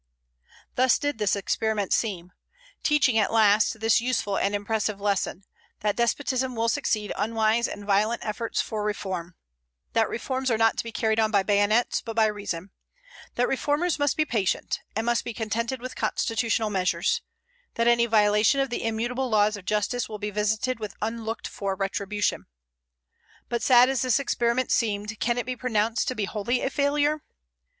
Thus did this experiment seem; teaching, at least, this useful and impressive lesson, that despotism will succeed unwise and violent efforts for reform; that reforms are not to be carried on by bayonets, but by reason; that reformers must be patient, and must be contented with constitutional measures; that any violation of the immutable laws of justice will be visited with unlooked for retribution. But sad as this experiment seemed, can it be pronounced to be wholly a failure?